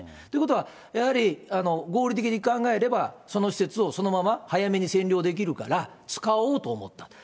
ということは、やはり合理的に考えれば、その施設をそのまま早めに占領できるから、使おうと思った。